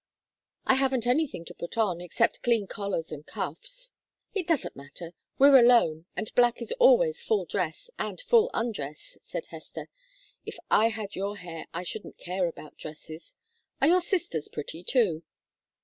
"I haven't anything to put on, except clean collars and cuffs." "It doesn't matter; we're alone, and black is always full dress and full undress," said Hester. "If I had your hair I shouldn't care about dresses. Are your sisters pretty, too?"